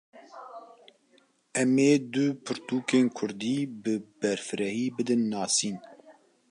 Em ê du pirtûkên Kurdî, bi berfirehî bidin nasîn